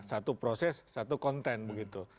satu proses satu konten begitu